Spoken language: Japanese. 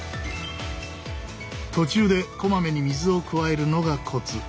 途中でこまめに水を加えるのがコツ。